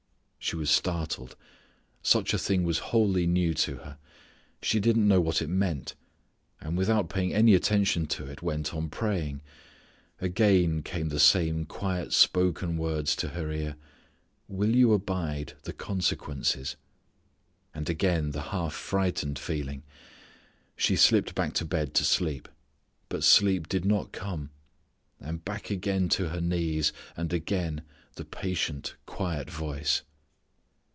She was startled. Such a thing was wholly new to her. She did not know what it meant. And without paying any attention to it, went on praying. Again came the same quietly spoken words to her ear, "will you abide the consequences?" And again the half frightened feeling. She slipped back to bed to sleep. But sleep did not come. And back again to her knees, and again the patient, quiet voice.